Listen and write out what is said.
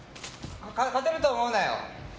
勝てると思うなよ。